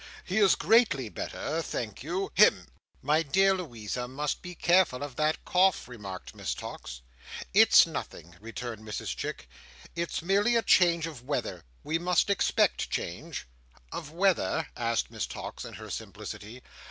"He is greatly better, thank you. Hem!" "My dear Louisa must be careful of that cough" remarked Miss Tox. "It's nothing," returned Mrs Chick. "It's merely change of weather. We must expect change." "Of weather?" asked Miss Tox, in her simplicity.